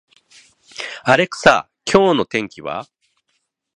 アレクサ、今日の天気は